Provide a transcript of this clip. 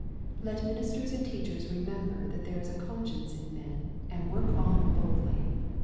Let ministers and teachers remember that there is a conscience in men, and work on boldly.